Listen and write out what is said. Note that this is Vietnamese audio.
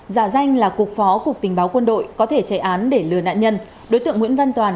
giả danh là cục phó cục tình báo quân đội có thể chạy án để lừa nạn nhân đối tượng nguyễn văn toàn